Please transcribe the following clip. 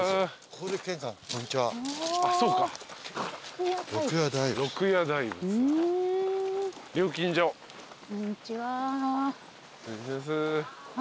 こんちは。